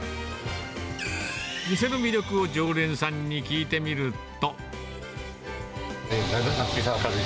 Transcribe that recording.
店の魅力を常連さんに聞いてみると。